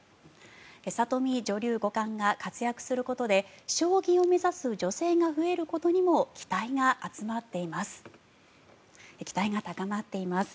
里見女流五冠が活躍することで将棋を目指す女性が増えることにも期待が高まっています。